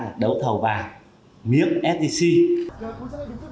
với việc đấu thầu này sẽ có lượng vàng cung ứng ra thị trường giúp tăng nguồn cung